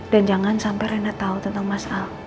dan jangan sampai rena tau tentang mas al